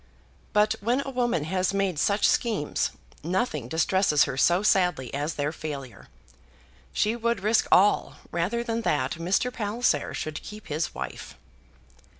But when a woman has made such schemes, nothing distresses her so sadly as their failure. She would risk all rather than that Mr. Palliser should keep his wife.